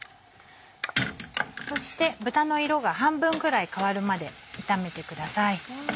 そして豚の色が半分くらい変わるまで炒めてください。